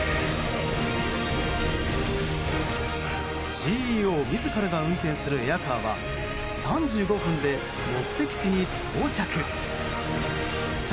ＣＥＯ自らが運転するエア・カーは３５分で目的地に到着。